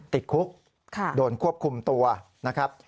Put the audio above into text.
ติดคุกโดนควบคุมตัวนะครับ